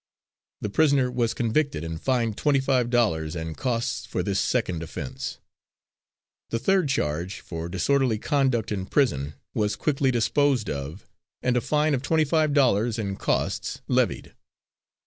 The prisoner was convicted and fined twenty five dollars and costs for this second offense. The third charge, for disorderly conduct in prison, was quickly disposed of, and a fine of twenty five dollars and costs levied.